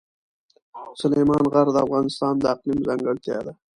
سلیمان غر د افغانستان د اقلیم ځانګړتیا ده.